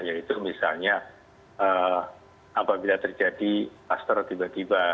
yaitu misalnya apabila terjadi kluster tiba tiba